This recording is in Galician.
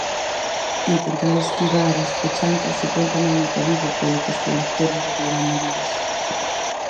Intentar esquivar as fochancas supón tamén un perigo polo que os condutores reclaman medidas.